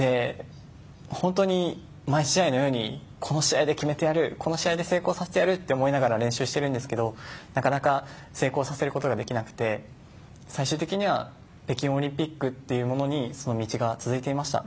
本当に毎試合のようにこの試合で決めてやる成功させてやると思いながら練習してるんですけどなかなか成功させることができなくて、最終的には北京オリンピックというものにその道が続いていました。